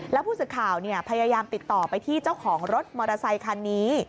แล้วผู้สื่อข่าวพยายามติดต่อไปที่เจ้าของรถมอเตอร์ไซคันนี้